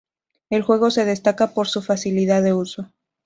El juego se destaca por su facilidad de uso.